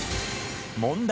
問題。